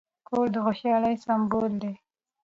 کور د خوشحالۍ سمبول دی.